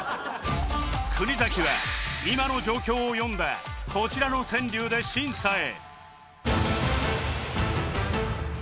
国崎は今の状況を詠んだこちらの川柳で審査へ